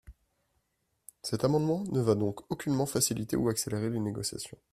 Cet amendement ne va donc aucunement faciliter ou accélérer les négociations.